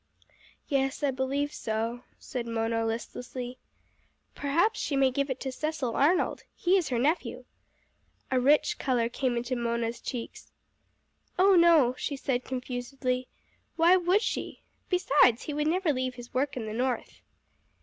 "Yes, I believe so," said Mona listlessly. "Perhaps she may give it to Cecil Arnold. He is her nephew!" A rich colour came into Mona's cheeks. "Oh, no," she said confusedly. "Why should she? Besides, he would never leave his work in the north."